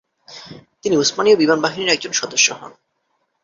তিনি উসমানীয় বিমান বাহিনীর একজন সদস্য হন।